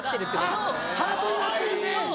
あっ「ハートになってるね」。